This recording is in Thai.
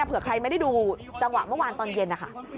เผื่อใครไม่ได้ดูจังหวะเมื่อวานตอนเย็นนะคะ